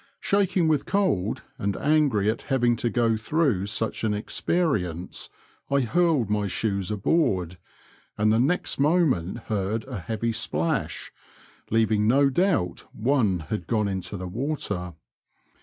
Shaking with cold, and angry at having to go through such an experience, I hurled my shoes aboard, and the next moment heard a heavy splash, leaving no doubt one had gone into the water.